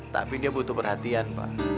tapi dia butuh perhatian pak